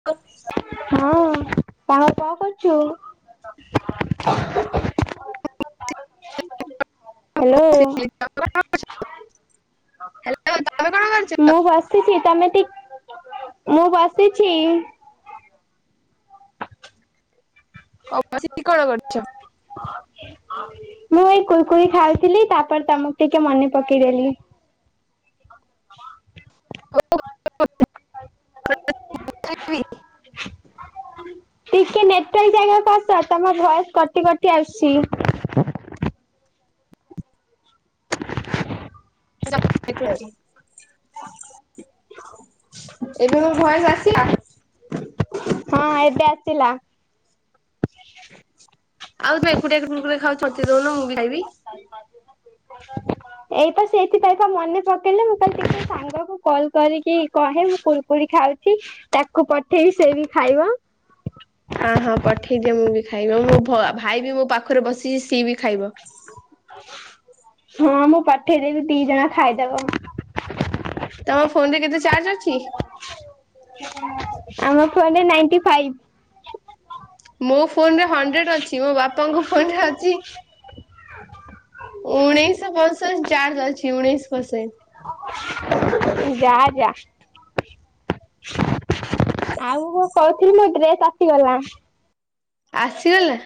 [unintelligible] ହଁ କଣ କଣ କରୁଛୁ? ହ୍ୟାଲୋ। [unintelligible] ତମେ କଣ କରୁଛ? ମୁଁ ବାସ ବସିଛି ତମେ ଟିକ ମୁଁ ବସିଛି। [unintelligible] କଣ କରୁଛ? ହ ମୁଁ ଏଇ କୁରକୁରି ଖାଉଥିଲି ତାପରେ ତମକୁ ଟିକେ ମନେ ପକେଇଦେଲି। [unintelligible] ଟିକେ ନେଟୱାର୍କ ଜାଗାକୁ ଆସ ତମ ଭଏସ କଟି କଟି ଆସୁଛି। ଏବେ ମୋ ଭଏସ ଆସିଲା? ହଁ ଏବେ ଆସିଲା। ଆଉ ତୁ ଏକୁଟିଆ [unintelligible] ରେ ଖାଉଛୁ ମୋତେ ଦଉନ ମୁଁ ଖାଇବି। ଏଇ ତ ସେଇଥିପାଇଁ ତ ମନେ ପକେଇଲେ ମୁଁ କହିଲି ଟିକେ ସାଙ୍ଗ କୁ କଲ କରିକି କହେ ମୁଁ କୁର କୁରି ଖାଉଛି ତାକୁ ପଠେଇବି ସେବି ଖାଇବ। ହଁ ହଁ ପଠେଇ ଦିଅ ମୁଁ ବି ଖାଇବ ମୋ ଭାଇ ବି ମୋ ପାଖରେ ବସିଛି ସିଏ ବି ଖାଇବ। ହଁ ମୁଁ ପଠେଇ ଦେବି ଦି ଜଣ ଖାଇଦବ। ତମ ଫୋନରେ କେତେ ଚାର୍ଜ ଅଛି। ଆମ ଫୋନରେ ନାଇଣ୍ଟି ଫାଇଭ୍। ମୋ ଫୋନରେ ହଣ୍ଡ୍ରେଡ ଅଛି ମୋ ବାପାଙ୍କ ଫୋନ ରେ ଅଛି ଉଣେଇଶ ର୍ପସେଣ୍ଟ ଚାର ଅଛି ଉଣେଇଶ ପସେଣ୍ଟ। ଯା ଯା ଆଉ କ ଥିଲି ମୋ ଡ୍ରେସ ଆସିଗଲା। ଆସିଗଲା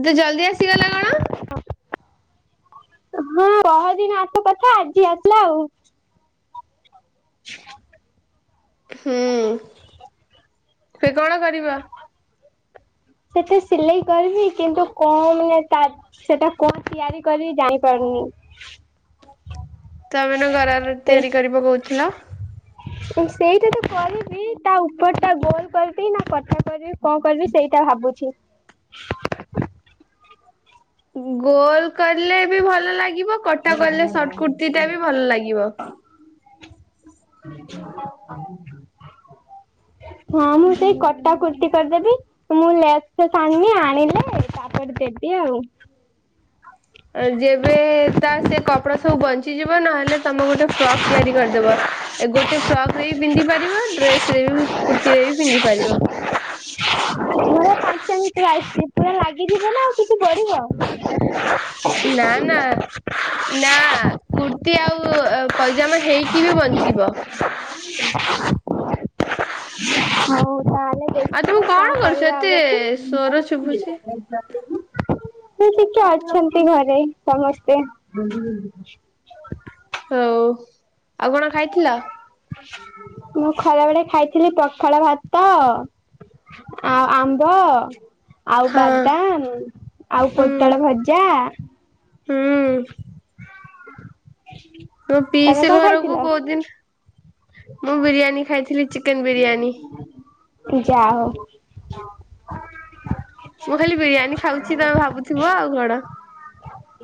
ଏତେ ଜଲଦି ଆସିଗଲା କଣ। ହଁ। ହଁ ବହେଦିନ ଆସିବା କଥା ଆଜି ଆସିଲା ଆଉ। ହୁଁ ସେ କଣ କରିବ। ସେତେ ସିଲେଇ କରିବି କିନ୍ତୁ କଣ ମାନେ ତ। ସେଟା କଣ ତିଆରି କରି ଜାଣିପାରୁନି। ତମେନ ଘର ସେଇ ତିଆରି କରିବା କହୁଥିଲ। ସେଇଟା ତ କରିବି ତା ଉପର ଟା ଗୋଲ। କରିବି ନା କଥା କରିବି କଣ କରିବି ସେଇଟା ଭାବୁଛି। ଗୋଲ କଲେେ ବି ଭଲ ଲାଗିବ କଟା କଲେ ସର୍ଟ କୁର୍ତ୍ତି ଟା ବି ଭଲ ଲାଗିବ। ହଁ ମୁଁ ସେଇ କଟା କୁର୍ତ୍ତି। କରିଦେବି ମୁଁ ଲେସ ଆାଣିନି ଆଣିଲେ ତାପରେ ଦେବି ଆଉ। ଆଉ ଯେବେ ତା ସେ କପଡା ସବୁ ବଞ୍ଚିଯିବ ନହେଲେ। ତମେ ଗୋଟେ ଫ୍ରକ୍ ତିଆରି କରିଦବ ଗୋଟେ ଫ୍ରକ ରେ ବି ପିନ୍ଧି ପାରିବ ଡ୍ରେସ ରେ ବି। କୁର୍ତ୍ତି ଏ ବି ପିନ୍ଧି ପାରିବ। ପ ପାଞ୍ଚ ଭଟର ଆସିଛି ପୁରା ଲାଗିଯିବ ନା ଆଉ କିଛି ବଢିବ ଆଉ। ନା ନା। ନା କୁର୍ତ୍ତିୀ ଆଉ ପଇଜାମା ହେଇକି ବି ବଞ୍ଚିବ। ହଉ ତାହେଲେ। ଆଉ ତମେ କଣ କରୁଛ କରିବା ଏତେ ଆଉଗୋଟେ। ସ୍ୱର ଶୁଭୁଛି ସେ ଟିକେ ଅଛନ୍ତି ଘରେ ସମସ୍ତେ। ହଉ ଆଉ କଣ ଖାଇଥିଲ। ମୁଁ ଖାଇଲା ବେଳେ ଖାଇଥିଲି ପଖାଳ ଭାତ। ଆଉ ଆମ୍ବ ଆଉ ହଁ ବାଦାମ ଆଉ ହୁଁ ପୋଟଳ ଭଜା। ହୁଁ। ତୋ ତମେ ପିଇସି କଣ ଘରକୁ ଖାଇଥିଲ? କୋଉଦିନ ମୁଁ ବିରିୟାନୀ ଖାଇଥିଲି ଚିକେନ ବିରିୟାନୀ। ପୂଜା ହଉ। ମୁଁ ଖାଲି ବିରିୟାନୀ ଖାଉଛି ତମେ ଭାବୁଥିବ ଆଉ କଣ।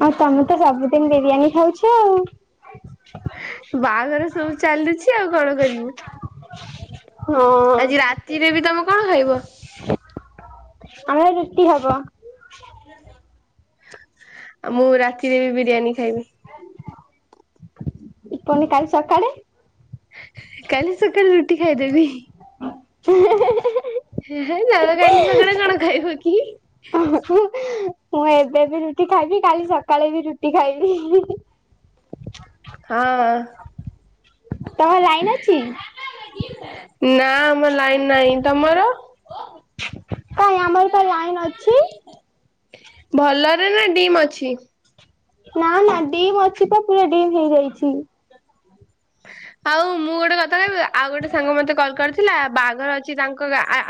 ଆଉ ତମେ ତ ସବୁଦିନ ବିରିୟାନୀ ଖାଉଛ ଆଉ। ବାହାଘର ସବୁ ଚାଲୁଛି ଆଉ କଣ କରିବୁ ହଁ ଆଜି ରାତି। ରାତିରେ ବି ତୁମେ କଣ ଖାଇବ। ଆମର ରୁଟି ହେବ। ଆଉ ମୁଁ ରାତିରେ ବି ବିରିୟାନୀ ଖାଇବି। କନି କାଲି ସକାଳେ। କାଲି ସକାଳେ ରୁଟି ଖାଇଦେବି। ହେ ହେ ନା ନା କାଲିସକାଳେ କଣ ଖାଇବୁ କି? ମୁଁ ଏବେ ବି ରୁଟି ଖାଇବି କାଲି ସକାଳେ ବି ରୁଟି ଖାଇବି। ହଁ। ତମର ଲାଇନ ଅଛି? ନା ଆମର ଲାଇନ ନାହିଁ ତମର? କାଇଁ ଆମର ପା ଲାଇନ୍ ଅଛି। ଭଲରେ ନା ଡିମ୍ ଅଛି? ନା ନା ଡିମ୍ ଅଛି ପା ପୁରା ଡିମ୍ ହେଇଯାଇଛି। ଆଉ ମୁଁ ଗୋଟେ କଥା କହିବି ଆଉ ଗୋଟେ ସାଙ୍ଗ ମତେ କଲ କରି ଥିଲା ବାହାଘର ଅଛି ତାଙ୍କ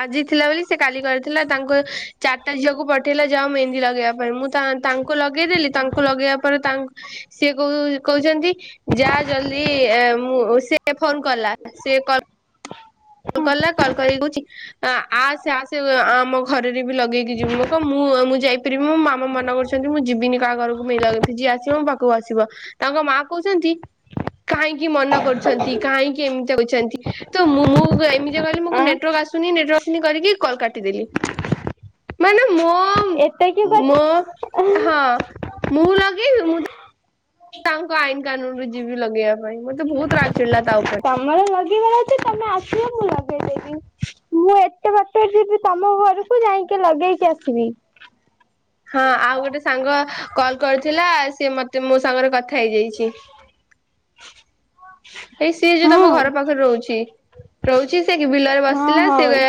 ଆଜି ଥିଲା ବୋଲି ସେ କାଲି କରିଥିଲା ତାଙ୍କ ଚା ତା ଝି ଅକୁ ପଠେଇେ ଯା ମେନ୍ଦୀ ଲଗେଇବା ପାଇଁ ମୁଁ ତାଙ୍କୁ ଲଗେଇଦେଲି ତାଙ୍କୁ ଲଗେଇବା ପରେ ତାଙ୍କୁ ସିଏ କ କହୁଛନ୍ତି ଯା ଜଲଦି ମୁଁ ସେ ଫୋନ କଲା ସେ କଲ୍ କଲା କଲ କରିକି କହୁଚି ଆସେ ଆସେ ଆମ ଘରେରେ ବି ଲଗେଇକି ଯିବୁ ମୁଁ କ ମୁଁ ମୁଁ ଯାଇ ମୋ ମାମା ମନା କରୁଛନ୍ତି ମୁଁ ଯିବିନି କାହା ଘରକୁ ମିିଲ ଲଗେଇତେ ଯିଏ ଆସିବ ମୋ ପାଖକୁ ଆସିବ। ତାଙ୍କ ମା କହୁଛନ୍ତି କାହିଁକି ମନ କରୁଛନ୍ତି କାହିଁକି ଏମିତି ଅଉଛନ୍ତି ତ ମୁଁ ମୁଁ ଏମିତି କହିଲି ମୁ ଆଁ ନେଟୱାର୍କ ଆସ ଶୁନି ନେଟୱର୍କ ଆସୁନି କରିକି କଲ କାଟିଦେଲି। ମାନେ ମୋ ଏଟା କି ମୋ କଥା। ହଁ ମୁଁ ଲଗେଇବି ମୁଁ ତାଙ୍କ ଆଇନ କାନୁନରେ ଯିବି ଲଗେଇବା ପାଇଁ ମୋତେ ବହୁତ ରାଗ ଚିଡିଲା ତା ଉପରେ। ଆମର ଲଗେଇଗାର ଅଛି ତମେ ଆସିବ ମୁଁ ଲଗେଇ ଦେବି। ମୁଁ ଏତେ ବାଟ ଯିବି ତମ ଘରକୁ ଯାଇକି ଲଗେଇକି ଆସିବି। ହଁ ଆଉ ଗୋଟେ ସାଙ୍ଗ କଲ କରିଥିଲା ସିଏ ମୋତେ ମୋ ସାଙ୍ଗରେ କଥା ହେଇଯାଇଛି। [inaudible] ଏଇ ସିଏ ଯୋଉ ହଁ ତମ ଘର ପାଖରେ ରହୁଛି। ରହୁଛି ସେ ବିଲରେ ହଁ ବସିଥିଲା ସେ ହଁ ଏ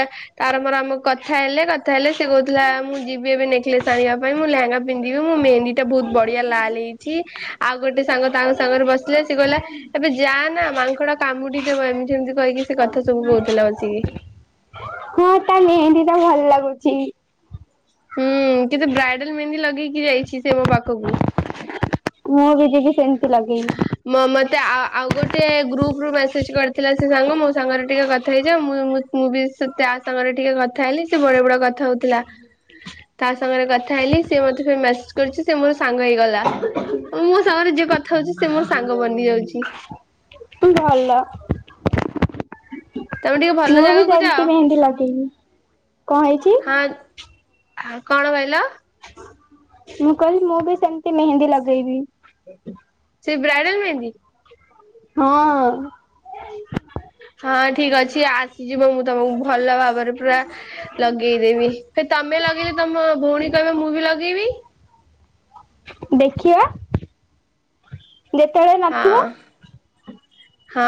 ତାର ମୋର ଆମ କଥା ହେଲେ କଥା ହେଲେ ସେ କହୁଥିଲା ମୁଁ ଯିବି ଏବେ ନେକଲେସ ଆଣିବା ପାଇଁ ମୁଁଲେହେଙ୍ଗା ପିନ୍ଧିବି ମୁଁ ମେହେନ୍ଦୀ ଏଇଟା ବହୁତ ବଢିଆ ଲାଲ ହେଇଛି ଆଉ ଗୋଟେ ସାଙ୍ଗ ତାଙ୍କ ସାଙ୍ଗରେ ବସିଲେ ସିଏ କହିଲା [inaudible] ଏବେ ଯା ନା ମାଙ୍କଡ କାମୁଡିଦବ ଏମିତି ସେମିତି କହିକି ସେ କଥା ସବୁ କହୁଥିଲା ବସିକି। ହଁ ତା ମେହେନ୍ଦୀ ଟା ଭଲ ଲାଗୁଛି। ହୁଁ କିନ୍ତୁ ବ୍ରାଇଡାଲ ମେହେନ୍ଦି ଲଗେଇକି ଯାଇଛି ସେ ମୋ ପାଖକୁ। ମୁଁ ବି ଯିବି ସେମତି ଲଗେଇବି। ମୋ ମୋତେ ଆଉ ଗୋଟେ ଗ୍ରୁପରୁ ମେସେଜ କରିଥିଲା ସେ ସାଙ୍ଗ ମୋ ସାଙ୍ଗରେ ଟିକେ କଥା ହେଇଯାଅ ମୁଁ ମୁଁ ବି ସେ ତା ସାଙ୍ଗରେ ଟିକେ କଥା ହେଲି ସେ ବଡ ବଡ କଥା ହଉଥିଲା। ତା ସାଙ୍ଗରେ କଥା ହେଲି ସ ମୋତେ ଫିର୍ ମେସେଜ କରୁଛି ସେ ମୋର ସାଙ୍ଗ ହେଇଗଲା ମୁଁ ସାଙ୍ଗରେ ଯିଏ କଥା ହଉଛି ସେ ମୋର ସାଙ୍ଗ ବନି ଯାଉଛି। ତୁ ଭଲ। ତମେ ଟିକେ ଭଲ ମୁଁ ବି ଜାଗାକୁ ଯାଅ ସେମିତି ମେହେନ୍ଦୀ ଲଗେଇବି କଣ ହେଇଛି? ହଁ ଆଉ କଣ କହିଲ? ମୁଁ କହିଲି ମୁଁ ବି ସେମିତି ମେହେନ୍ଦୀ ଲଗେଇବି। ସେ ବ୍ରାଇଡଲ ମେହେନ୍ଦି। ହଁ। ହଁ ଠିକ ଅଛି ଆସିଯିବ ମୁଁ ତମକୁ ଭଲ ଭାବରେ ପୁରା ଲଗେଇଦେବି। ହେ ତମେ ଲଗେଇଲେ ତମ ଭଉଣୀ କହିବ ମୁଁ ବି ଲଗେଇବି। ଦେଖିବା ଯେତେବେଳେ ହଁ। ନଥିବ ହଁ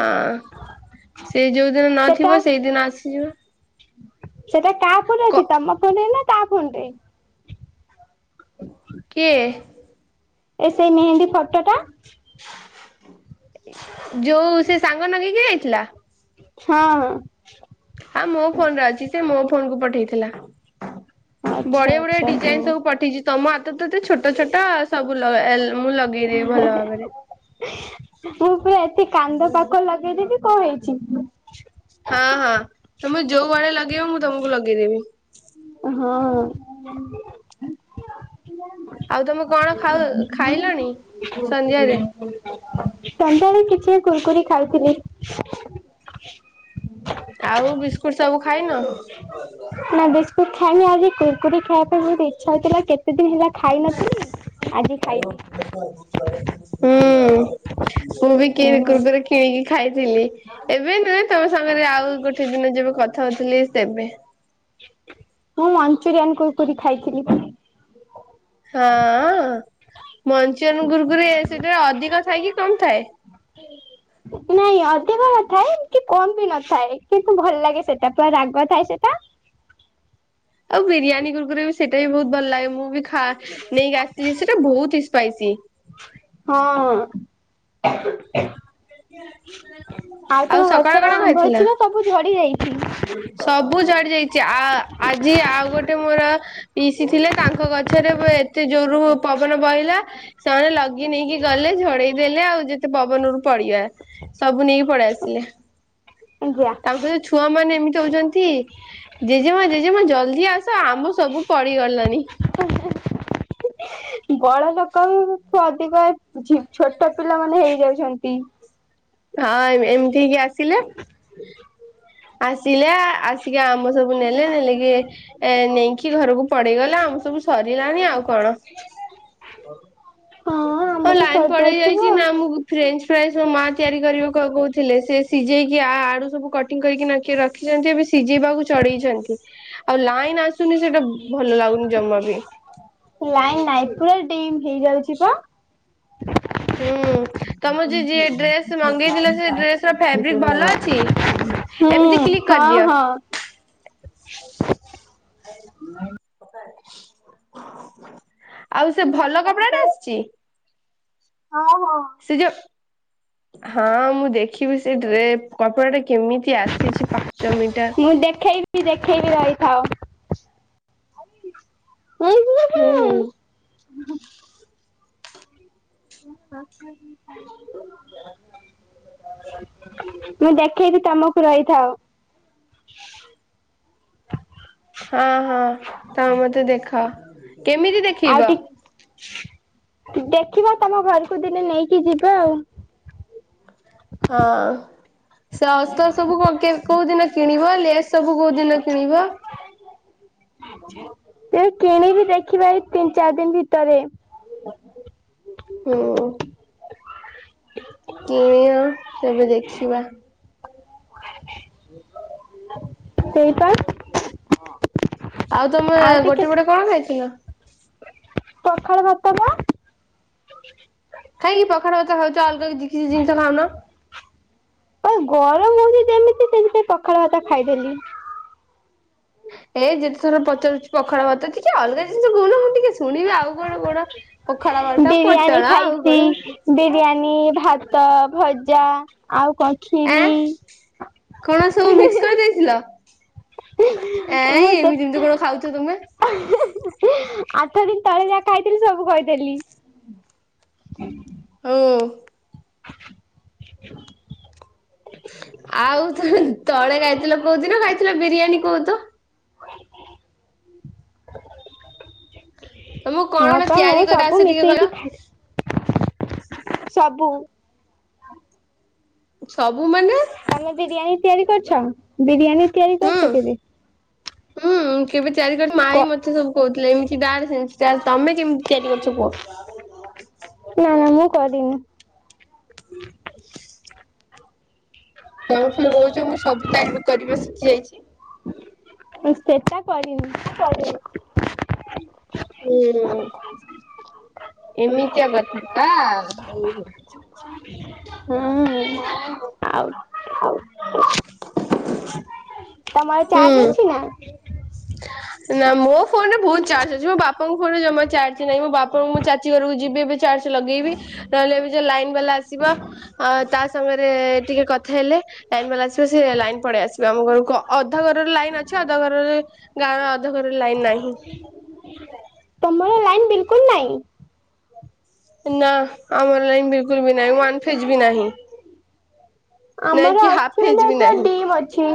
ସେଇ ଯୋଉଦିନ ସେଟା ନଥିବ ସେଇଦିନ ଆସିଯିବ ସେଟା କାହା ଫୋନରେ କ ଅଛି ତମ ଫୋନରେ ନା ତା ଫୋନ୍ ରେ କିଏ? ଏ ସେଇ ମେହେନ୍ଦୀ ଫଟୋଟା ଯୋଉ ସେ ସାଙ୍ଗ ନଗେଇକି ଯାଇଥିଲା ହଁ ହଁ ହଁ ମୋ ଫୋନ ରେ ଅଛି ସେ ମୋ ଫୋନ କୁ ପଠେଇଥିଲା ଆଚ୍ଛା ବଢିଆ ବଢିଆ ଆଚ୍ଛା ହଉ। ଡିଜାଇନ ସବୁ ପଠେଇଚି। ତମ ହାତ ତତ ଛୋଟ ଛୋଟ ସବୁ ମୁଁ ଲଗେଇଦେବି ଭଲ ଭାବରେ ମୁଁ ପୁରା ଏତେ କାନ୍ଦ ପାକ ଲଗେଇଦେବି କଣ ହେଇଛି ହଁ ହଁ ତମେ ଯୋଉ ଭଳିଆ ଲଗେଇବ ମୁଁ ତମକୁ ଲଗେଇଦେବି ହଁ [unintelligible] ଆଉ ତମେ କଣ ଖାଉ ଖାଇଲଣି? ସନ୍ଧ୍ୟାରେ ସଧ୍ୟାବେଳେ କିଛି କୁୁରକୁରି ଖାଉଥିଲି। ଆଉ ବିସ୍କୁଟ ସବୁ ଖାଇନ? ନା ବିସ୍କୁଟ ଖାଇନି ଆଜି କୁରକୁରି ଖାଇବା ପାଇଁ ବହୁତ ଇଚ୍ଛା ହଉଥିଲା କେତେ ଦିନ ହେଲା। ଖାଇନଥିଲି ଆଜି ଖାଇବି। ହୁଁ। ମୁଁ ବି କି ଓହୋ କୁରକୁର ରେ କିଣିକି ଖାଇଥିଲି। ଏବେ ନ ତମ ସାଙ୍ଗରେ ଆଉ ଗୋଟେ ଦିନ ଯେବେ କଥା ହଉଥିଲି ତେବେ। ମୁଁ ମଞ୍ଚୁରିଆନ୍ କୁରକୁର୍ ଖାଇଥିଲି। ହଁ ମଞ୍ଚୁରନ ଗୁରୁରେ ସେଥିରେ ଅଧିକ ଥାଏ କି କମ ଥାଏ। ନାଇଁ ଅଧିକ ନଥାଏ କମ ବି ନଥାଏ କିନ୍ତୁ ଭଲ ଲାଗେ ସେଟା ପୁରା ରାଗ ଥାଏ ସେଟା। ଆଉ ବିରିୟାନୀ ଗୁରୁରେ ବି ସେଇଟା ବି ବହୁତ ଭଲ ଲାଗେ ମୁଁ ବି ଖା ନେଇକି ସେଟା ବହୁତ ହି ସ୍ପାଇସି। ହଁ ହଁ। ଆଉ ତମ ସକାଳେ ଗଛରେ କଣ ଆମ୍ବ ଖାଇଥିଲା? ଅଛି ନା ସବୁ ଝଡି ଯାଇଛି। ସବୁ ଝଡି ଯାଇଛି ଆ ଆଜି ଆଉ ଗୋଟେ ଗଟେ ମୋର ପିଇସି ଥିଲେ ତାଙ୍କ ଗଛରେ ଏତେ ଜୋର ପବନ ବହିଲା। ସେମାନେ ଲଗି ନେଇକି ଗଲେ ଝଡେଇ ଦେେଲେ ଆଉ ଯେତେ ପବନରୁ ପଡିବା ସବୁ ନେଇକି ପଳେଇ ଆସିଲେ। ଆଜ୍ଞା ତାଙ୍କର ଯୋଉ ଛୁଆ ମାନେ ଏମିତି ହଉଛନ୍ତି। ଜେଜେମା ଜେଜେମା ଜଲ୍ଦି ଆସ ଆମ ସବୁ ପଡିଗଲେଣି। ହଁ। ବଡ ଲୋକଠୁ ଅଧିକ ଛୋଟ ପିଲା ମାନେ ହେଇଯାଉଛନ୍ତି। ହଁ ଏମିତି ହେ କି ଆସିଲେ। ଆସିଲେ ଆସିକି ଆମ ସବୁ ନେଲେ ନେଲେ କିିଏ ନେଇକି କି ଘରକୁ ପଡେଇଗଲା ଆମ ସବୁ ସରିଲାନି ଆଉ କଣ ହଁ ଆମ୍ବ ତ ଲାଇନ ସରି ପେଇ ଯାଇଥିବ ଯାଇଛି ଆଉ। ନା ମୁଁ ଫ୍ରେ ଫ୍ର ତିଆରି କର କହୁଥିଲେ ସେ ସିଝେଇକି ଆଳୁ ସବୁ କଟିଂ କରିକି ରଖିଛନ୍ତି ଏ ସିଝିବାକୁ ଚଢେଇଛନ୍ତି ଆଉ ଲାଇନ ଆସୁନି ସେଟା ଭଲ ଲାଗୁନି ଜମା ବି ଲାଇଁ ନାଇଁ ପୁରା ଡିମ୍ ହେଇଯାଉଛି ପା ହୁଁ ତମ ଯ ଯିଏ ଡ୍ରେସ ମଗେଇଥିଲେ ସେ ଡ୍ରେସ ର ଫାବ୍ରିକ ଭଲ ଅଛି। ହୁଁ ଏମିତି କ୍ଲିକ୍ ହଁ କରିଦିଅ। ହଁ। [inaudible] ଆଉ ସେ ଭଲ କପଡା ଟା ତାପରେ ଆସିଛି? ହଁ ହଁ। ସେ ଯୋଉ ହଁ ମୁଁ ଦେଖିବି ସେଟରେ କପଡା ଟା କେମିତି ଆସିଛି ପାଞ୍ଚ ମିଟର। ମୁଁ ଦେଖେଇବି ଦେଖେଇବି ରହିଥାଉ ହୁଁ। ହୁଁ ହୁଁ। ହଁ। ମୁଁ ଦେଖେଇବି ତମକୁ ରହିଥାଉ। ହଁ ହଁ ତମ ମତେ ଦେଖ କେମିତି ଦେଖିବ? ଦେଖିବ ତମ ଘରକୁ ଦିନେ ନେଇକି ଯିବା ଆଉ। ହଁ। ସେ ଅସ୍ତ ସବୁ କୋଉ ଦିନ କିଣିବ ଲେସ୍ ସବୁ କୋଉ ଦିନ କିଣିବ। ତବେ କିଣିବି ଦେଖିବା ଏଇ ତିନି ଚାରି ଦିନ ଭିତରେ। ହୁଁ। ହଁ। କିଣିଅ ତେବେ ଦେଖିବା। ସେଇପା। ଆଉ ତମେ ଗୋଟେ ଗଟେ କଣ ଖାଇଥିଲ? ପଖାଳ ଭାତ କା ପଖାଳ ଭାତ ଖାଉଚ, ଅଲ୍ଗା କିଛି ଜିନ୍‌ଷ ଖାଉନ। ଗରମ୍ ହଉଚି ଯେମିତି, ପଖାଳ ଭାତ ଖାଇଦେଲି। [inaudible] ବିରିୟାନୀ ଖାଇଛି [inaudible] ବିରିୟାନୀ, ଭାତ, ଭଜା ଆଉ ଖିରି କଣ ସବୁ ମି କରିଦେଇଥିଲ? ମୁଁ ଯେ [inaudible] ଆଠ ଦିନ୍‌ ତଳେ ଯାହା ଖାଇଥିଲି, ସବୁ କ---ଦେଲି। [inaudible] [inaudible] ଆଚ୍ଛା [inaudible] ତମକୁ କଣ କଣ ତିଆରି କରି ଆସେ ଟିକେ କହିଲ [inaudible] ସବୁ। [inaudible] ବିରିୟାନୀ ତିଆରି କରିଛ, ବିରିୟାନୀ ତିଆରି ହୁଁ କରିଛ କେବେ? [inaudible] ତମେ କେ---ତି ତିଆରି କ କରୁଛ କୁହ? ନା ମୁଁ କରିନି। ତମେ ଫେର୍ କହୁଚ, ମୁଁ ସବୁ କରିବା ଶିଖିଯାଇଛି। ସେଟା କରିନି। [inaudible] ହୁଁ [inaudible] ଚ [inaudible] ତମ ଚାର୍ଜ ହୁଁ ଅଛି ନା? ନା ମୋ ଫୋନ୍‌ରେ ବହୁତ୍ ଚାର୍ଜ ଅଛି, ମୋ ବାପାଙ୍କ ଫୋନ୍‌ରେ ଜମା ଚାର୍ଜ ନାହିଁ। ମୋ ବାପା ଯିବି, ଏବେ ଚାର୍ଜ ଲଗେଇବି ନହେଲେ ଏ ଲାଇନ୍‌ ବାଲା ଆସିବ। ତା ସାଙ୍ଗରେ ଟିକେ କଥା ହେଲେ। ଲାଇନ୍‌ ବାଲା ଆସିବ, ଲାଇନ୍‌ ପଳେଇ ଆସିବ ଆମ ଘରକୁ, ଅଧା ଘର---ଲାଇନ୍‌ ଅଛି। ଅଧା ଘରରେ ଗାଁ ଅ-----ଘ--ରେ ଲାଇନ୍‌ ନାହିଁ। ତମ ଲାଇନ୍‌ ବିଲ୍‌କୁଲ୍‌ ନାଇଁ। ନା ଆମର୍ ଲାଇନ୍ ବିଲ୍ କୁଲ୍ ବି ନାଇଁ। ବି ନାହିଁ, ନାଇଁ ଆମର କି ହାପ୍ ଅଛି ମାନେ ଫେଜ୍‌ ବି ପୁରା ନାହିଁ। ଡିମ୍ ଅଛି।